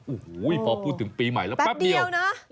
โอ้โหพอพูดถึงปีใหม่แล้วแป๊บเดียวนะ